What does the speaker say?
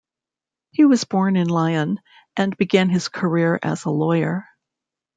He was born in Lyon, and began his career as a lawyer.